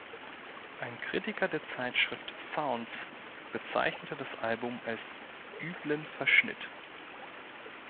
Ein Kritiker der Zeitschrift "Sounds" bezeichnete das Album als „üblen Verschnitt“.